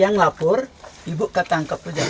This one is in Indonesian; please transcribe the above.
karena saya tidak tahu apa yang terjadi